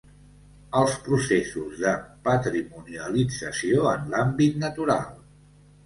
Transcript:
Els processos de patrimonialització en l'àmbit natural.